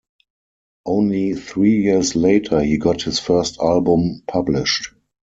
Only three years later he got his first album published.